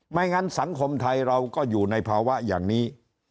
ไม่งั้นสังคมไทยเราก็อยู่ในภาวะอย่างนี้